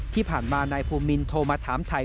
ที่ผ่านมานายภูมินโทรมาถามไทย